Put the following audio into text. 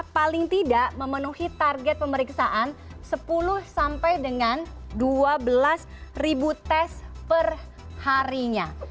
paling tidak memenuhi target pemeriksaan sepuluh sampai dengan dua belas tes perharinya